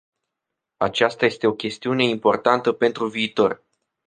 Aceasta este o chestiune importantă pentru viitor.